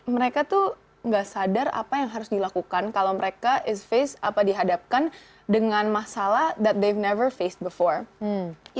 mereka tuh gak sadar apa yang harus dilakukan kalau mereka terhadap dengan masalah yang mereka tidak pernah terhadapkan sebelumnya